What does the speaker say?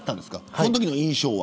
そのときの印象は。